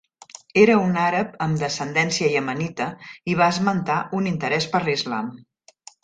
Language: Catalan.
Era un àrab amb descendència iemenita i va esmentar un interès per l'Islam.